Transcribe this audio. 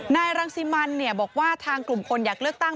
รังสิมันบอกว่าทางกลุ่มคนอยากเลือกตั้ง